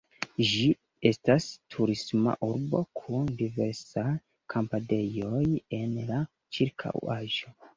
Ĝi estas turisma urbo kun diversaj kampadejoj en la ĉirkaŭaĵo.